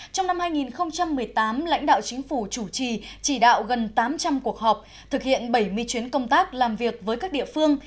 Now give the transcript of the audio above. trong năm hai nghìn một mươi tám lãnh đạo chính phủ chủ trì chỉ đạo gần tám trăm linh cuộc họp thực hiện bảy mươi chuyến công tác làm việc với các địa phương